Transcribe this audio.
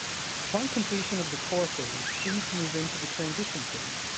Upon completion of the core phase, students move into the transition phase.